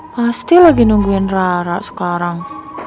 pasti lagi nungguin rara sekarang